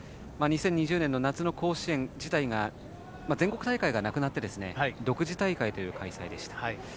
２０２０年の夏の甲子園自体が全国大会がなくなって独自大会という開催でした。